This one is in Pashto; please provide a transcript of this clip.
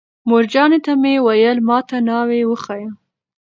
مورجانې ته مې ویل: ما ته ناوې وښایه.